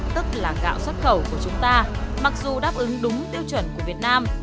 tức là gạo xuất khẩu của chúng ta mặc dù đáp ứng đúng tiêu chuẩn của việt nam